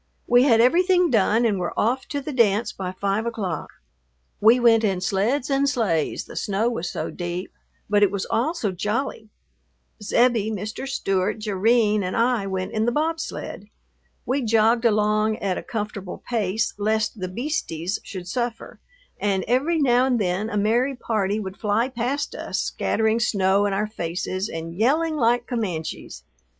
We had everything done and were off to the dance by five o'clock. We went in sleds and sleighs, the snow was so deep, but it was all so jolly. Zebbie, Mr. Stewart, Jerrine, and I went in the bobsled. We jogged along at a comfortable pace lest the "beasties" should suffer, and every now and then a merry party would fly past us scattering snow in our faces and yelling like Comanches.